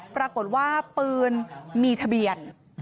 ปรากฏว่าปืนมีทะเบียน